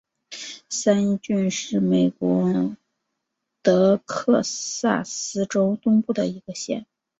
三一郡是美国德克萨斯州东部的一个县。